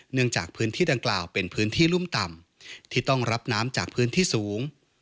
เนื่องจากพื้นที่ดังกล่าวเป็นพื้นที่รุ่มต่ำที่ต้องรับน้ำจากพื้นที่สูง